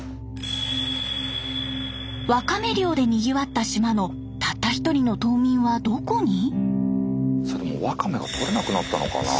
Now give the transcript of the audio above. ワカメ漁でにぎわった島のたった１人の島民はどこに？